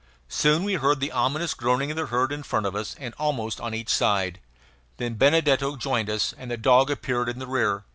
Soon we heard the ominous groaning of the herd, in front of us, and almost on each side. Then Benedetto joined us, and the dog appeared in the rear.